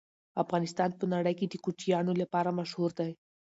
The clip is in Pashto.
افغانستان په نړۍ کې د کوچیانو لپاره مشهور دی.